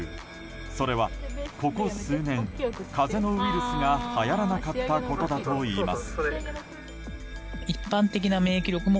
それは、ここ数年風邪のウイルスがはやらなかったことだといいます。